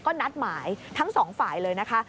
ก็นัดหมายทั้งสองฝ่ายเลยนะคะ